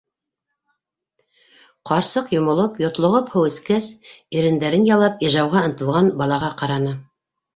Ҡарсыҡ йомолоп, йотлоғоп һыу эскәс, ирендәрен ялап ижауға ынтылған балаға ҡараны: